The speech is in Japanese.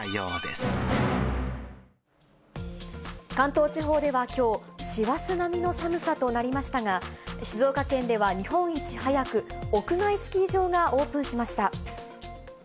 関東地方ではきょう、師走並みの寒さとなりましたが、静岡県では日本一早く、屋外スキー場がオープンしました。